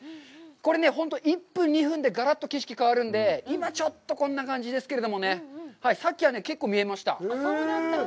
これね、本当１分２分でがらっと景色が変わるので、今、ちょっとこんな感じですけども、さっきはね、結構見えました。